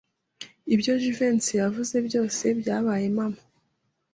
Ibyo Jivencyasi yavuze byose byabaye impamo.